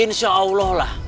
insya allah lah